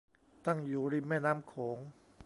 ตั้งอยู่ริมแม่น้ำโขง